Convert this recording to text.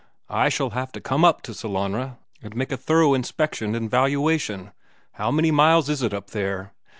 I shall have to come up to Sellanraa and make a thorough inspection and valuation. How many miles is it up there?